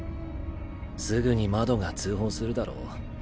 すぐに「窓」が通報するだろう。